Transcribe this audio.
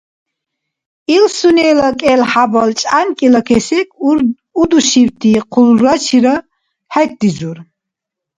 Ил «сунела» кӀел-хӀябал чӀянкӀила кесек удушибти хъулрачира хӀерризур.